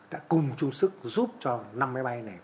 đã cùng chung sức giúp cho năm máy bay này